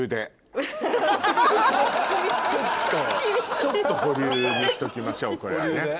ちょっと保留にしときましょうこれはね。